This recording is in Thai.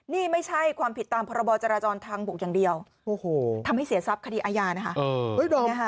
ทำให้เสียทรัพย์คดีอายะนะคะ